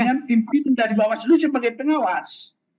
jadi itu dari bawah slu sebagai pengawas